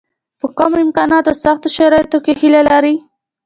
په کمو امکاناتو او سختو شرایطو کې هیله لري.